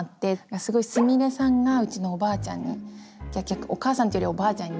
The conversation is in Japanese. すごいすみれさんがうちのおばあちゃんにお母さんというよりはおばあちゃんに似てて。